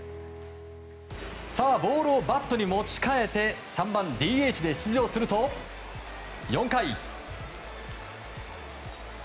ボールをバットに持ち替えて３番ＤＨで出場すると、４回。